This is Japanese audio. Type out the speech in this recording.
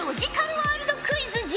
ワールドクイズじゃ！